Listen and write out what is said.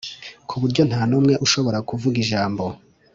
ku buryo nta n'umwe ushobora kuvuga ijambo